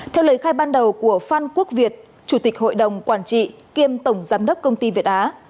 theo lời khai ban đầu của phan quốc việt chủ tịch hội đồng quản trị kiêm tổng giám đốc công ty việt á